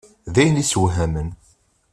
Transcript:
D ayen isewhamen.